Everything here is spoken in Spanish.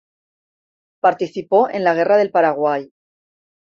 Participó en la Guerra del Paraguay.